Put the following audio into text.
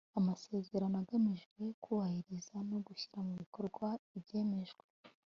amasezerano agamije kubahiriza no gushyira mu bikorwa ibyemejwe